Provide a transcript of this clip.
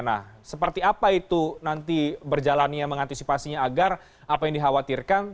nah seperti apa itu nanti berjalannya mengantisipasinya agar apa yang dikhawatirkan